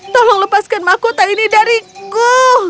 tolong lepaskan mahkota ini dariku